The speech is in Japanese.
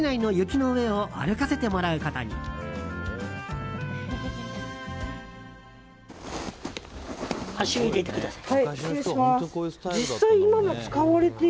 足を入れてください。